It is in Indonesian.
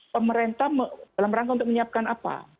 pemerintah dalam rangka untuk menyiapkan apa